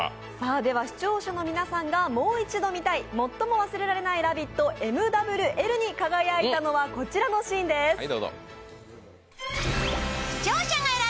視聴者の皆さんがもう一度見たい、最も忘れられないラヴィットＭＷＬに輝いたのはこちらのシーンです。